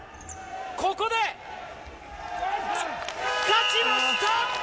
ここで、勝ちました！